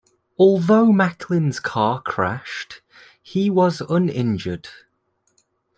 Although Macklin's car crashed, he was uninjured.